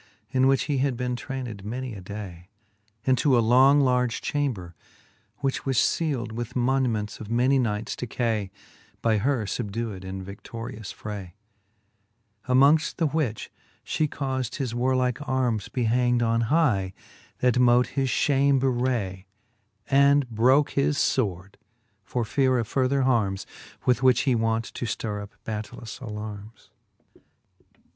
In which he had been trayncd many a day. Into a long large chamber, which was field With moniments of many knights decay, By her fubdewed in vidlorious fi ay : Among the which fhe caufd his warlike armes Be hangd on high, that mote his ftiame bewray ; And broke his fword, for feare of further harmes. With which he wont to ftirre up battailous alarmes.